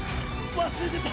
「忘れてた」